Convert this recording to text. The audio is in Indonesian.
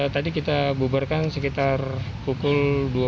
tadi kita bubarkan sekitar pukul dua puluh satu tiga puluh